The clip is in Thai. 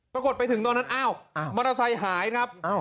ปรากฏไปถึงตอนนั้นอ้าวมอเตอร์ไซค์หายครับ